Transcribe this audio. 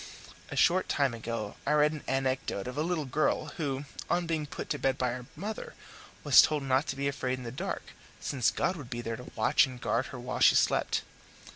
A short time ago I read an anecdote of a little girl who, on being put to bed by her mother, was told not to be afraid in the dark, since God would be there to watch and guard her while she slept.